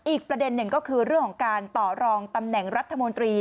อีกประเด็นหนึ่งก็คือเรื่องของการต่อรองตำแหน่งรัฐมนตรี